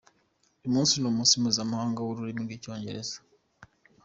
Uyu munsi ni umunsi mpuzamahanga w’ururimi rw’icyongereza.